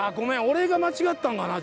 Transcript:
俺が間違ったんかな？